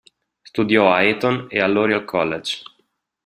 Studiò a Eton e all'Oriel College.